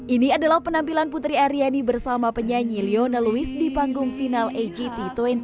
ini adalah penampilan putri aryani bersama penyanyi leona lewis di panggung final agt